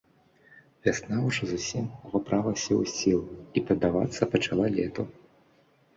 Вясна ўжо зусім увабралася ў сілу і паддавацца пачала лету.